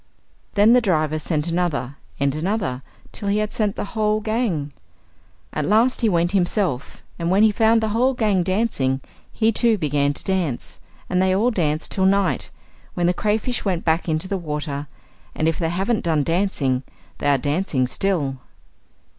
Then the driver sent another and another, till he had sent the whole gang. At last he went himself, and when he found the whole gang dancing, he too began to dance; and they all danced till night, when the cray fish went back into the water; and if they haven't done dancing, they are dancing still.